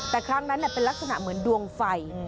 แต่ครั้งนั้นเป็นลักษณะเหมือนดวงไฟ